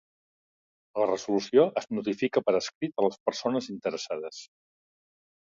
La resolució es notifica per escrit a les persones interessades.